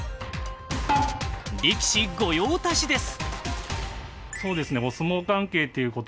力士御用達です。